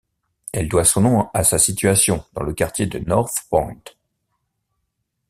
Elle doit son nom à sa situation dans le quartier de North Point.